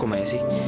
kok mayat sih